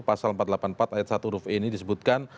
pasal empat ratus delapan puluh empat ayat satu huruf e ini disebutkan